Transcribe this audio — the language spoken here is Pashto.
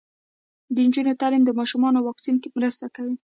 د نجونو تعلیم د ماشومانو واکسین مرسته کوي.